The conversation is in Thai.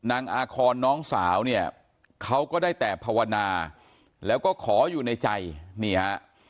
อาคอนน้องสาวเนี่ยเขาก็ได้แต่ภาวนาแล้วก็ขออยู่ในใจนี่ฮะ